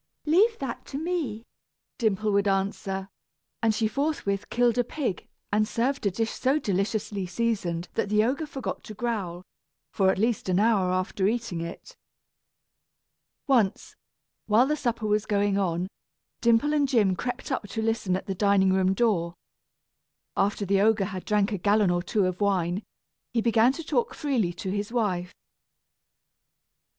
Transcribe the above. "Leave that to me," Dimple would answer; and she forthwith killed a pig, and served a dish so deliciously seasoned that the ogre forgot to growl, for at least an hour after eating it. Once, while the supper was going on, Dimple and Jim crept up to listen at the dining room door. After the ogre had drank a gallon or two of wine, he began to talk freely to his wife.